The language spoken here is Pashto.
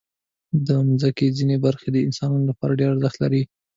د مځکې ځینې برخې د انسانانو لپاره ډېر ارزښت لري.